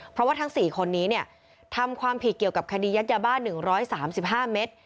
เพราะว่าทั้ง๔คนนี้ทำความผิดเกี่ยวกับคดียัดยาบ้าน๑๓๕เมตร